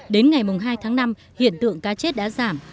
đến ngày hai tháng năm hiện tượng cá chết đã giảm